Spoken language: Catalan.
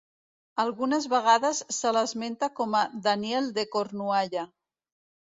Algunes vegades se l'esmenta com a Daniel de Cornualla.